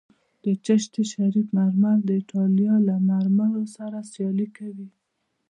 د چشت شریف مرمر د ایټالیا له مرمرو سره سیالي کوي